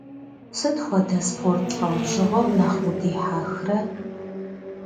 Сыт хуэдэ спорт лӏэужьыгъуэм нэхъ удихьэхрэ?